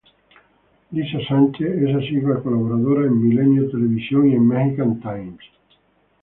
Lisa Sánchez es asidua colaboradora en Milenio Televisión y en Mexican Times.